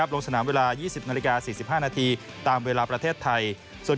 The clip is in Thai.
ลงสนามเวลา๒๐นาฬิกา๔๕นาทีตามเวลาประเทศไทย